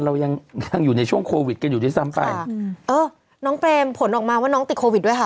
เรายังยังอยู่ในช่วงโควิดกันอยู่ด้วยซ้ำไปอืมเออน้องเปรมผลออกมาว่าน้องติดโควิดด้วยค่ะ